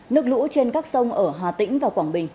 nước lũ trên các sông ở hà tĩnh và quảng bình